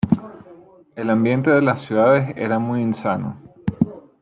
El ambiente de las ciudades era muy insano.